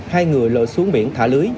hai người lội xuống biển thả lưới